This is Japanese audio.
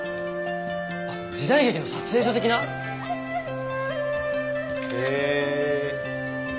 あっ時代劇の撮影所的な？へえ。